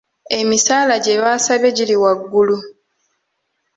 Emisaala gyebaasabye giri waggulu.